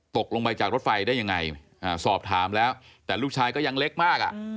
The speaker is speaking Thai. ตกลงไปจากรถไฟได้ยังไงสอบถามแล้วแต่ลูกชายก็ยังเล็กมาก